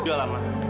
udah lah ma